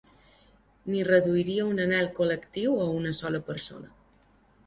Ni reduiria un anhel col·lectiu a una sola persona.